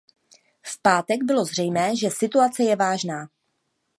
V pátek bylo zřejmé, že situace je vážná.